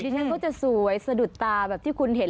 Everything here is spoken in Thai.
ฉันก็จะสวยสะดุดตาแบบที่คุณเห็น